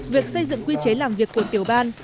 việc xây dựng quy chế làm việc của tiểu ban